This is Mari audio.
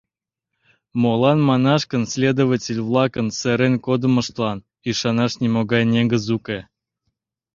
Молан манаш гын следователь-влакын серен кодымыштлан ӱшанаш нимогай негыз уке.